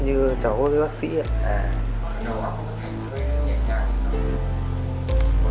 năm nay cháu gần được hai mươi tuổi một mươi chín tuổi